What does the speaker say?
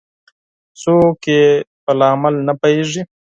څوک یې په لامل نه پوهیږي